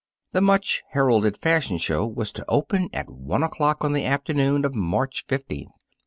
The much heralded fashion show was to open at one o'clock on the afternoon of March fifteenth.